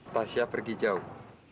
tasya pergi jauh